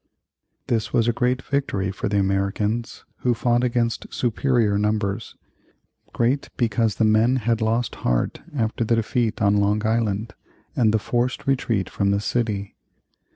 This was a great victory for the Americans, who fought against superior numbers great because the men had lost heart after the defeat on Long Island, and the forced retreat from the city.